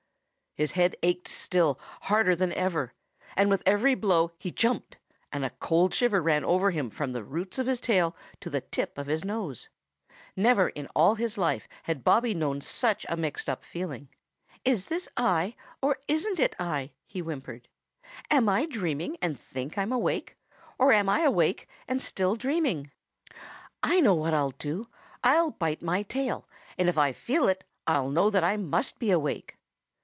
His head ached still, harder than ever. And with every blow he jumped, and a cold shiver ran over him from the roots of his tail to the tip of his nose. Never in all his life had Bobby known such a mixed up feeling. "Is this I or isn't it I?" he whimpered. "Am I dreaming and think I'm awake, or am I awake and still dreaming'? I know what I'll do; I'll bite my tail, and if I feel it I'll know that I must be awake."